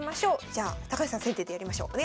じゃあ高橋さん先手でやりましょう。